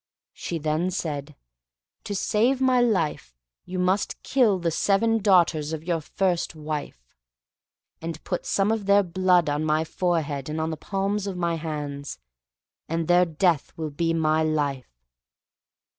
She then said, "To save my life, you must kill the seven daughters of your first wife, and put some of their blood on my forehead and on the palms of my hands, and their death will be my life."